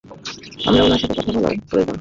আমার উনার সাথে কথা বলা প্রয়োজন।